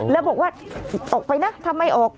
แล้วบอกว่าออกไปนะทำไมออก